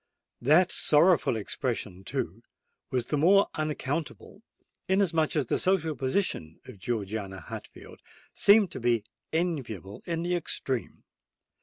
That sorrowful expression, too, was the more unaccountable, inasmuch as the social position of Georgiana Hatfield seemed to be enviable in the extreme.